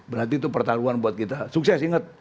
berarti itu pertarungan buat kita sukses inget